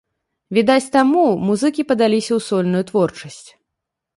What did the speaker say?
Відаць таму, музыкі падаліся ў сольную творчасць.